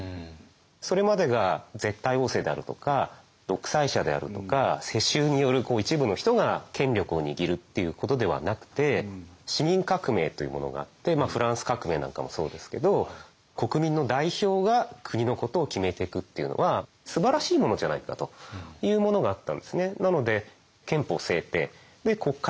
それまでが絶対王政であるとか独裁者であるとか世襲による一部の人が権力を握るっていうことではなくて市民革命というものがあってフランス革命なんかもそうですけど国民の代表が国のことを決めてくっていうのはすばらしいものじゃないかというものがあったんですね。